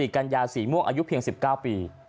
กัญญาสีม่วงอายุเพียง๑๙ปี